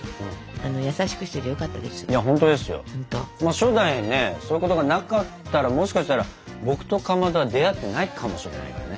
初代にねそういうことがなかったらもしかしたら僕とかまどは出会ってないかもしれないからね。